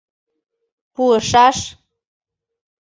Пуышаш...